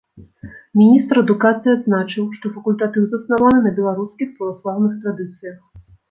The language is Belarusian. Міністр адукацыі адзначыў, што факультатыў заснаваны на беларускіх праваслаўных традыцыях.